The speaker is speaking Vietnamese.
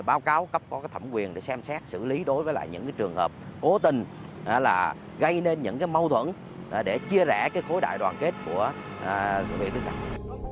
nắm bắt tình hình để báo cáo các thẩm quyền để xem xét xử lý đối với những trường hợp cố tình gây nên những mâu thuẫn để chia rẽ khối đại đoàn kết của huyện đức trọng